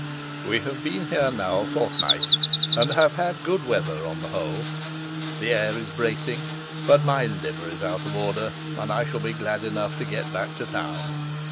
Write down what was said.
"We have been here now a fortnight, and have had good weather on the whole. The air is bracing, but my liver is out of order, and I shall be glad enough to get back to town.